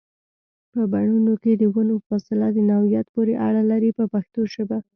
په بڼونو کې د ونو فاصله د نوعیت پورې اړه لري په پښتو ژبه.